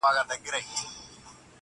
• په تو پک نه سي قلم ته دعا وکړﺉ,